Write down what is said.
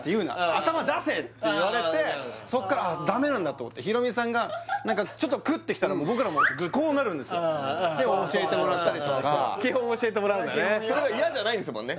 「頭出せ！」って言われてそっからあっダメなんだと思ってヒロミさんが何かちょっとクッてきたら僕らもこうなるんですよで教えてもらったりとかそれが嫌じゃないんですもんね